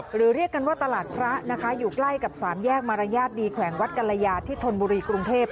เรียกกันว่าตลาดพระนะคะอยู่ใกล้กับสามแยกมารยาทดีแขวงวัดกรยาที่ธนบุรีกรุงเทพ